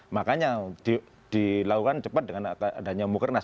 makanya dilakukan cepat dengan adanya mukernas